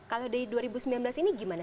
kalau di dua ribu sembilan belas ini gimana